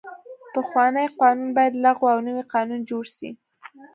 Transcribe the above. پخواني قوانین باید لغوه او نوي قوانین جوړ سي.